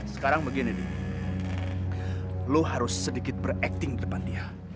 sekarang begini nih lo harus sedikit berakting depan dia